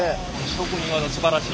職人技すばらしい。